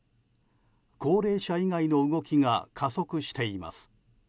高齢者以外の動きが加速しています。